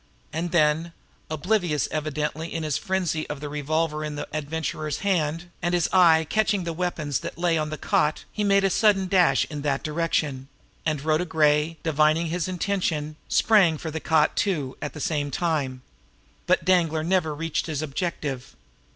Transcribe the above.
And then, oblivious evidently in his frenzy of the revolver in the Adventurer's hand, and his eye catching the weapons that lay upon the cot, he made a sudden dash in that direction and Rhoda Gray, divining his intention, sprang for the cot, too, at the same time. But Danglar never reached his objective.